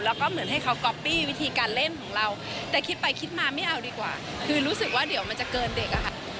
แล้วก็เหมือนให้เขาก๊อปปี้วิธีการเล่นของเราแต่คิดไปคิดมาไม่เอาดีกว่าคือรู้สึกว่าเดี๋ยวมันจะเกินเด็กอะค่ะ